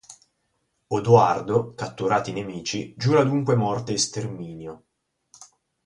Odoardo, catturati i nemici, giura dunque morte e sterminio.